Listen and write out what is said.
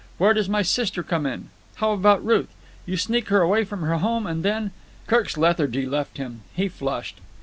Where does my sister come in? How about Ruth? You sneak her away from her home and then——" Kirk's lethargy left him. He flushed.